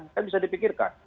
kan bisa dipikirkan